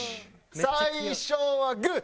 最初はグー！